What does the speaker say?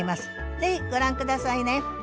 ぜひご覧下さいね。